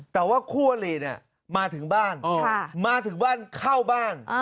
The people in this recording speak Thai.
แต่ว่าคู่อลีเนี่ยมาถึงบ้านมาถึงบ้านเข้าบ้าน